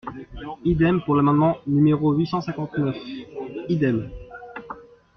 Idem pour l’amendement numéro huit cent cinquante-neuf ? Idem.